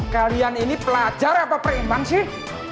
kalian ini pelajar apa preiman sih